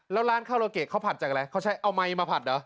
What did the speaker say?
แล้วร้านคาราเกะเขาผัดจากอะไรเขาใช้เอาไมค์มาผัดเหรอ